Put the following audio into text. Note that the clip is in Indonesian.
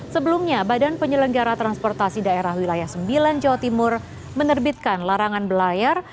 sebelumnya badan penyelenggara transportasi daerah wilayah sembilan jawa timur menerbitkan larangan belayar